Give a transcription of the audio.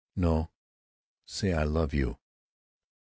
"No. Say, 'I love you."'